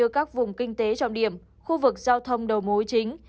các vùng kinh tế trọng điểm khu vực giao thông đầu mối chính